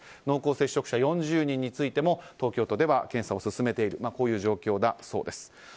濃厚接触者４０人についても東京都では検査を進めているこういう状況だそうです。